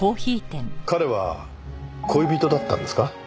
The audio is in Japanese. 彼は恋人だったんですか？